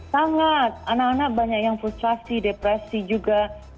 sangat anak anak banyak yang frustrasi depresi juga